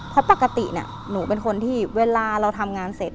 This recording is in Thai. เพราะปกติหนูเป็นคนที่เวลาเราทำงานเสร็จ